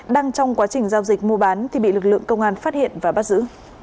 đang trong quá trình giao dịch mua bán thì bị lực lượng công an phát hiện và bắt giữ